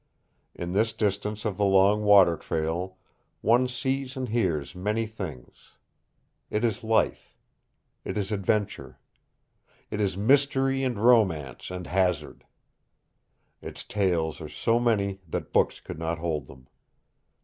In this distance of the long water trail one sees and hears many things. It is life. It is adventure. It is mystery and romance and hazard. Its tales are so many that books could not hold them.